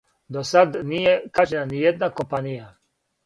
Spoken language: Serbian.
До сад није кажњена ниједна компанија.